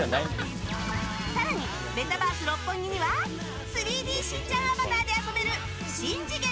更に、メタバース六本木には３Ｄしんちゃんアバターで遊べるしん次元！